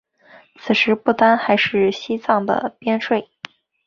此时不丹还是西藏的边陲。